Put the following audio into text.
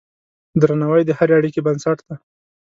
درناوی د هرې اړیکې بنسټ دی.